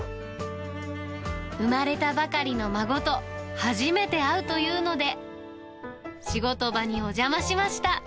生まれたばかりの孫と、初めて会うというので、仕事場にお邪魔しました。